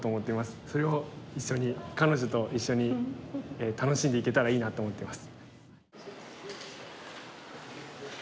それを一緒に彼女と一緒に楽しんでいけたらいいなと思ってます。